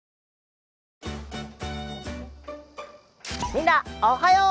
みんなおはよう！